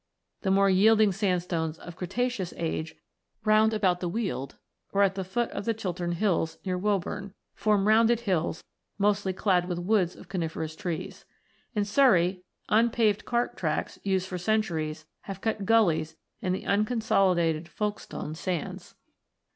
The more yielding sandstones of Cretaceous age round about the Weald, or at the foot of the Chi! tern Hills near Woburn, form rounded hills, mostly clad with woods of coniferous trees. In Surrey, unpaved cart tracks, used for centuries, have cut gullies in the unconsolidated Folkestone Sands.